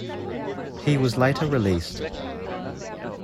He was later released.